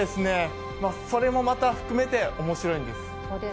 それもまた含めて面白いです。